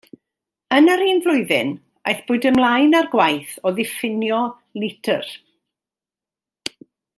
Yn yr un flwyddyn, aethpwyd ymlaen â'r gwaith o ddiffinio litr.